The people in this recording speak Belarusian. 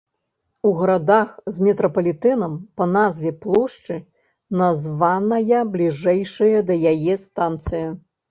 У гарадах з метрапалітэнам па назве плошчы названая бліжэйшая да яе станцыя.